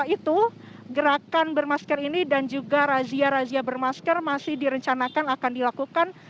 itu gerakan bermasker ini dan juga razia razia bermasker masih direncanakan akan dilakukan